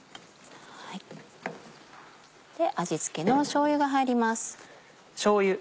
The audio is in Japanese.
味付けのしょうゆが入ります。